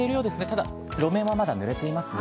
ただ、路面はまだぬれていますね。